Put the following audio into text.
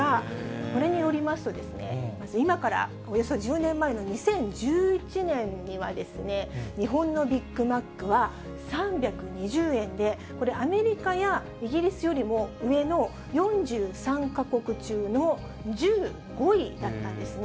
これによりますと、まず、今からおよそ１０年前の２０１１年には、日本のビッグマックは３２０円で、これ、アメリカやイギリスよりも上の４３か国中の１５位だったんですね。